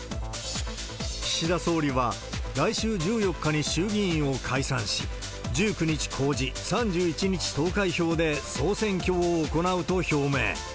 岸田総理は来週１４日に衆議院を解散し、１９日公示、３１日投開票で総選挙を行うと表明。